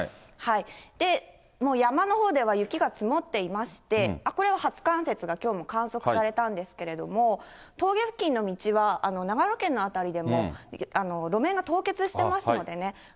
もう山のほうでは雪が積もっていまして、これは初冠雪がきょうも観測されたんですけれども、峠付近の道は、長野県の辺りでも路面が凍結してますのでね。